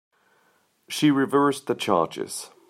She reversed the charges.